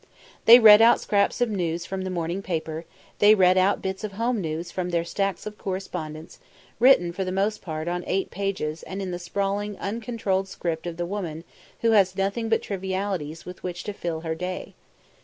They read out scraps of news from the morning paper; they read out bits of home news from their stacks of correspondence, written for the most part on eight pages and in the sprawling, uncontrolled script of the woman who has nothing but trivialities with which to fill her day.